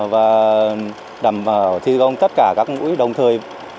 và đảm bảo thi công tất cả các mũi đồng thời